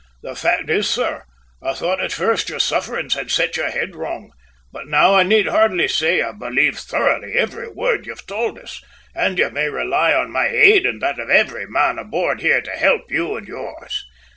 "The fact is, sir, I thought at first your sufferings had set your head wrong; but now I need hardly say I believe thoroughly every word you've told us, and you may rely on my aid and that of every man aboard here to help you and yours.